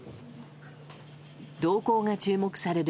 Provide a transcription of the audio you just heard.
動向が注目される